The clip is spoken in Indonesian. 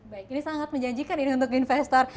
baik ini sangat menjanjikan ini untuk investor